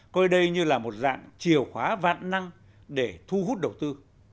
coi đây như là một dạng chiều khóa vạn năng để thu hút đầu tư